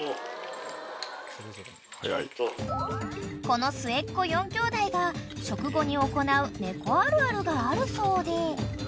［この末っ子４兄弟が食後に行う猫あるあるがあるそうで］